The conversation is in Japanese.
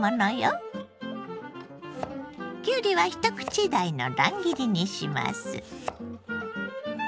きゅうりは一口大の乱切りにします。